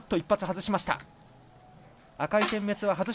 ２発外しました。